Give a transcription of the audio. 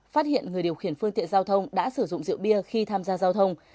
phát hiện người điều khiển phương tiện giao thông đã sử dụng rượu bia khi tham gia giao thông